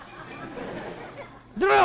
出ろよ！